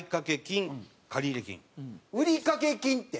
売掛金って？